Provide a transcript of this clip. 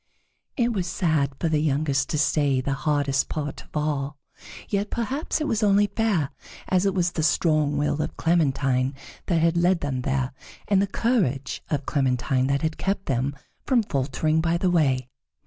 It was sad for the youngest to say the hardest part of all, yet perhaps it was only fair, as it was the strong will of Clementine that had led them there, and the courage of Clementine that had kept them from faltering by the way.